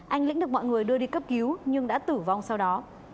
anh lĩnh được mọi người đưa đi cấp cứu nhưng đã tử vong sau đó